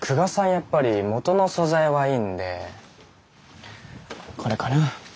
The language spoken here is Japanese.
やっぱり元の素材はいいんでこれかな。